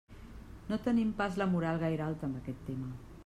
No tenim pas la moral gaire alta amb aquest tema.